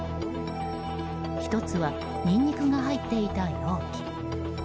１つはニンニクが入っていた容器。